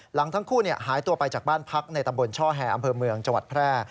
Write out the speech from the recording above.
ทั้งคู่หายตัวไปจากบ้านพักในตำบลช่อแห่อำเภอเมืองจังหวัดแพร่